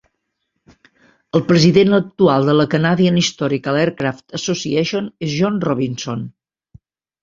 El president actual de la Canadian Historical Aircraft Association és John Robinson.